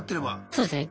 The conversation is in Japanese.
そうですね。